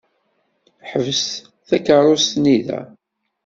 Ḥbes takeṛṛust-nni da.